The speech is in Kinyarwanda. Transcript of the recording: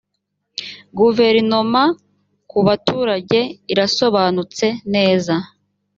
guverinoma ku baturage irasobanutse neza .